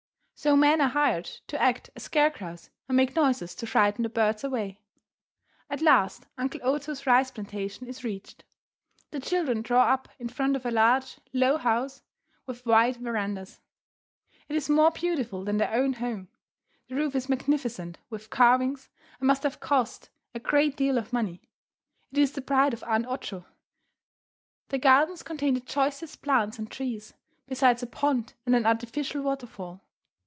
So men are hired to act as scarecrows and make noises to frighten the birds away. At last Uncle Oto's rice plantation is reached. The children draw up in front of a large, low house with wide verandas. It is more beautiful than their own home. The roof is magnificent with carvings, and must have cost a great deal of money. It is the pride of Aunt Ocho. The gardens contain the choicest plants and trees, besides a pond and an artificial waterfall.